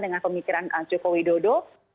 dengan pemikiran joko widodo